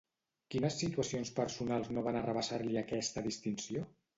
Quines situacions personals no van arrabassar-li aquesta distinció?